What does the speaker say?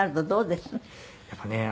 そうですね。